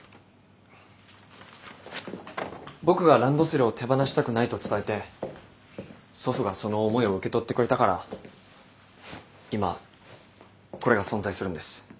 僕がランドセルを手放したくないと伝えて祖父がその思いを受け取ってくれたから今これが存在するんです。